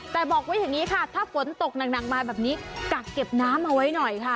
แต่บอกไว้อย่างนี้ค่ะถ้าฝนตกหนักมาแบบนี้กักเก็บน้ำเอาไว้หน่อยค่ะ